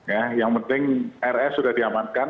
ya yang penting rs sudah diamankan